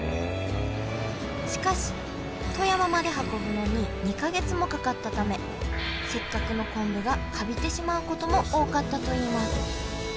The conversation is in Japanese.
しかし富山まで運ぶのに２か月もかかったためせっかくの昆布がカビてしまうことも多かったといいます。